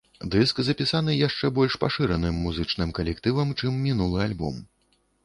Дыск запісаны яшчэ больш пашыраным музычным калектывам, чым мінулы альбом.